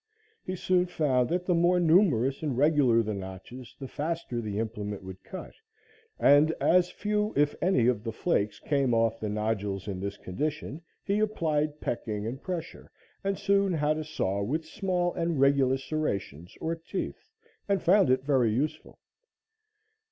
He soon found that the more numerous and regular the notches the faster the implement would cut, and, as few, if any, of the flakes came off the nodules in this condition, he applied pecking and pressure, and soon had a saw with small and regular serrations or teeth, and found it very useful.